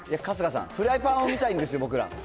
春日さん、フライパンを見たいんですよ、僕ら。